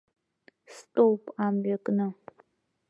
Стәоуп амҩа кны.